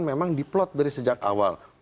memang diplot dari sejak awal